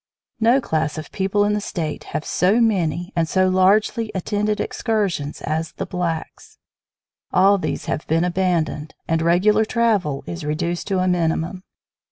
No class of people in the State have so many and so largely attended excursions as the blacks. All these have been abandoned, and regular travel is reduced to a minimum.